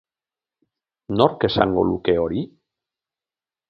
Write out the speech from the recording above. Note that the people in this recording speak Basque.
Nork esango luke hori?